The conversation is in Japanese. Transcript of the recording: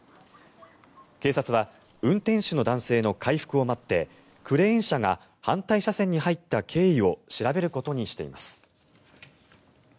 警察は運転手の男性の回復を待ってクレーン車が反対車線に入った経緯を調べることにしています。